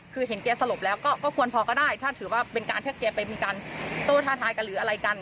คือเห็นแกสลบแล้วก็ควรพอก็ได้ถ้าถือว่าเป็นการถ้าแกไปมีการโต้ท้าทายกันหรืออะไรกัน